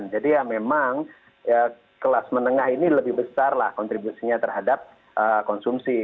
jadi ya memang kelas menengah ini lebih besar lah kontribusinya terhadap konsumsi